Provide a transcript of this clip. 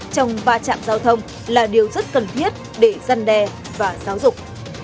trong va chạm giao thông là điều rất cần thiết để gian đe và giáo dục